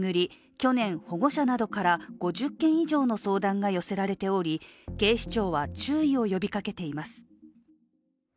去年、保護者などから５０件以上の相談が寄せられており警視庁は注意を呼びかけています。